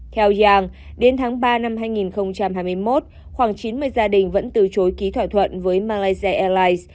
theo yang đến tháng ba năm hai nghìn hai mươi một khoảng chín mươi gia đình vẫn từ chối ký thỏa thuận với malaysia airlines